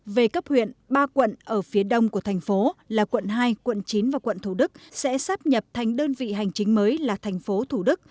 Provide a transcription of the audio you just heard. về cấp huyện ba quận ở phía đông của thành phố là quận hai quận chín và quận thủ đức sẽ sắp nhập thành đơn vị hành chính mới là thành phố thủ đức